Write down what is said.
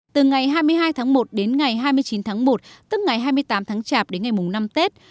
từ ngày hai mươi hai tháng một đến ngày hai mươi chín tháng một tức ngày hai mươi tám tháng chạp đến ngày mùng năm tết